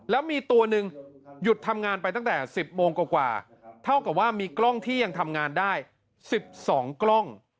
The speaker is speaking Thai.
แล้วมีตัวหนึ่งหยุดทำงานไปตั้งแต่๑๐โมงกว่าเท่ากับว่ามีกล้องที่ยังทำงานได้๑๒กล้อง